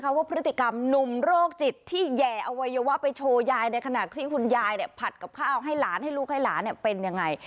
ว่าพฤติกรรมหนุ่มโรคจิตที่แห่อวัยวะไปโชว์ยายในขณะที่คุณยายผัดกับข้าวให้หลานให้ลูกให้หลานเป็นยังไง